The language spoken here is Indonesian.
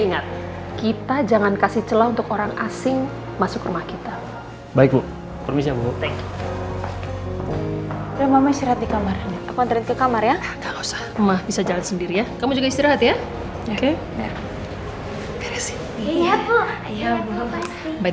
ingat kita jangan kasih celah untuk orang asing masuk rumah kita baik bu berbicara